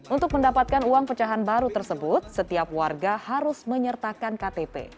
untuk mendapatkan uang pecahan baru tersebut setiap warga harus menyertakan ktp